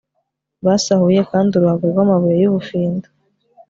basahuye kandi uruhago rw'amabuye y'ubufindo